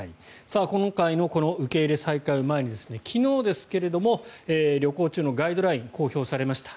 今回の受け入れ再開を前に昨日、旅行中のガイドラインが公表されました。